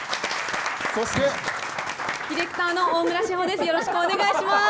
ディレクターの大村志歩です。